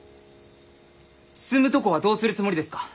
住むとこはどうするつもりですか？